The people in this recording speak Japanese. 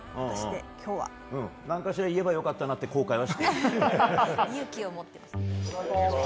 何かしら言えばよかったなって後悔はしている。